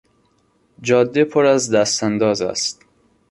جاده پر از دستانداز است.